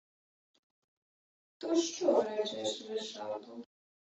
— То що вречеш, Вишато?